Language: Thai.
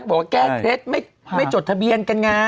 บอกว่าแค่กุลเทศไม่ไม่จดทะเบียนกันไง